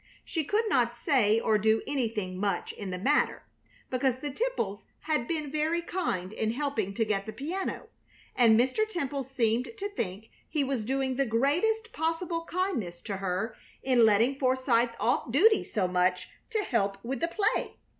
She could not say or do anything much in the matter, because the Temples had been very kind in helping to get the piano, and Mr. Temple seemed to think he was doing the greatest possible kindness to her in letting Forsythe off duty so much to help with the play.